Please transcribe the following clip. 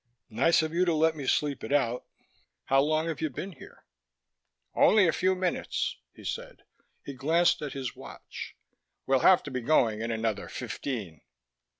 "Nice of you to let me sleep it out. How long have you been here?" "Only a few minutes," he said. He glanced at his watch. "We'll have to be going in another fifteen."